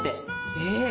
えっ！